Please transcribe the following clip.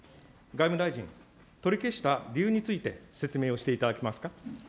外務大臣、取り消した理由について、説明をしていただけますか。